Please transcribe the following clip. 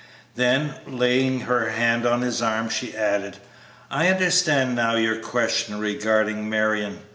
Then, laying her hand on his arm, she added: "I understand now your question regarding Marion.